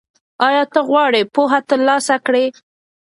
ایا ته غواړې پوهه ترلاسه کړې؟